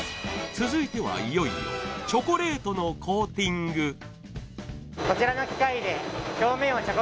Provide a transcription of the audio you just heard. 続いてはいよいよチョコレートのコーティングしています